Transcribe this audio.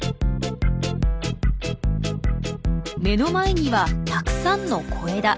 目の前にはたくさんの小枝。